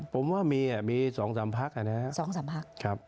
ผมว่ามีอ่ะมีสองสามพักอ่ะนะครับ